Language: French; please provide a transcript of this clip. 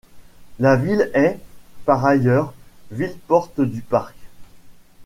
La ville est, par ailleurs, ville-porte du parc.